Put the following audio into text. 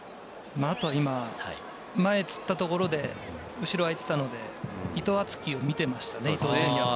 あとは前をつったところで、後ろが空いていたので、伊藤敦樹を見ていましたね、伊東純也は。